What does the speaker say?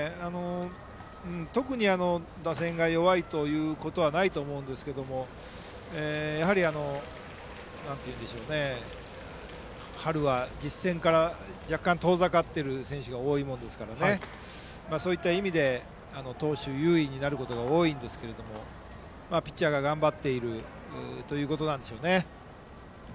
特に、打線が弱いということはないと思いますがやはり、春は実戦から若干遠ざかっている選手が多いものですからそういった意味で投手優位になることが多いですがピッチャーが頑張っているということなんでしょうね。